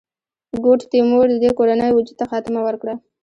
ګوډ تیمور د دې کورنۍ وجود ته خاتمه ورکړه.